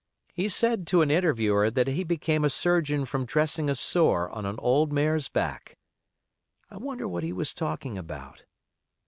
He said to an interviewer that he became a surgeon from dressing a sore on an old mare's back. I wonder what he was talking about?